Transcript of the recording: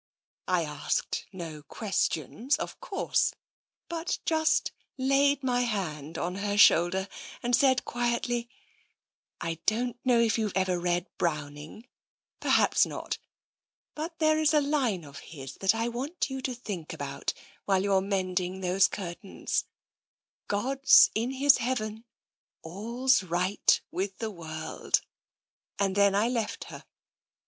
I asked no questions, of course, but just laid my hand on her shoulder and said quietly, * I don't know if you've ever read Browning — perhaps not — but there is a line of his that I want you to think about while you're mending those curtains :" God's in His Heaven — all's right with the world !"' And then I left her.